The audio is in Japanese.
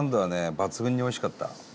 抜群においしかった。